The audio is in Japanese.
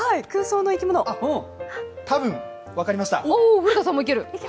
多分、分かりました。